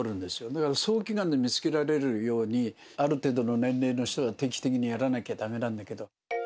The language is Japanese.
だから早期がんで見つけられるように、ある程度の年齢の人は定期的にやらなきゃだめなんだけど。